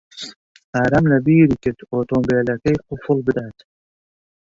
ئارام لەبیری کرد ئۆتۆمۆبیلەکەی قوفڵ بدات.